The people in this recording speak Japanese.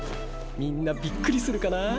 みんなびっくりするかなぁ。